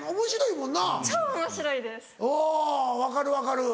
うん分かる分かる。